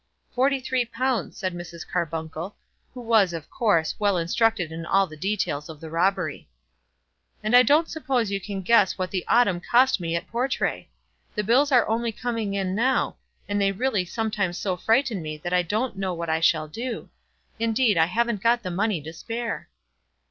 "Forty three pounds," said Mrs. Carbuncle, who was, of course, well instructed in all the details of the robbery. "And I don't suppose you can guess what the autumn cost me at Portray. The bills are only coming in now, and really they sometimes so frighten me that I don't know what I shall do. Indeed, I haven't got the money to spare."